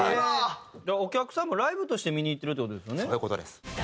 お客さんもライブとして見に行ってるって事ですよね。